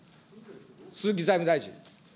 鈴木財務大臣。